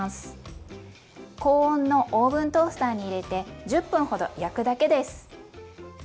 高温のオーブントースターに入れて１０分ほど焼くだけです。